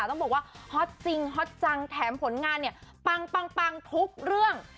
ต้องบอกว่าฮอตจริงฮอตจังแถมผลงานเนี่ยปังทุกเรื่อง